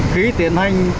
khi tiến hành triển khai